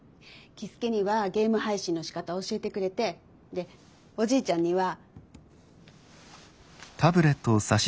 樹介にはゲーム配信のしかた教えてくれてでおじいちゃんには。